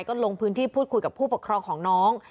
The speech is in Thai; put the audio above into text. ก็ลงพื้นที่พูดคุยกับผู้ปกครองของน้อง